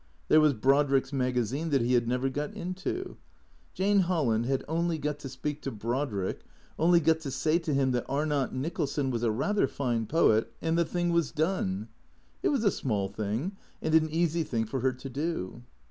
There was Brodrick's magazine that he had never got into. Jane Hol land had only got to speak to Brodrick, only got to say to him that Arnott Nicholson was a rather fine poet and the thing was done. It was a small thing and an easy thing for her to do.